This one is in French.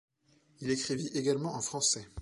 Il écrivit également en français.